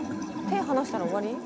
手離したら終わり？